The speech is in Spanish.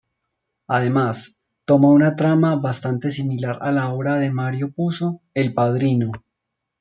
Además, toma un trama bastante similar a la obra de Mario Puzo, "El Padrino".